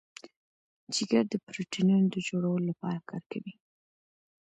جگر د پروټینونو د جوړولو لپاره کار کوي.